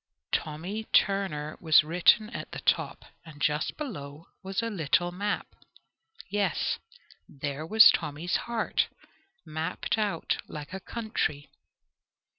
"Tommy Turner" was written at the top, and just below was a little map, yes, there was Tommy's heart mapped out like a country.